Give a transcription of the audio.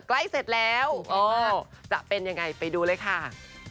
ใกล้เสร็จแล้วจะเป็นยังไงไปดูเลยค่ะ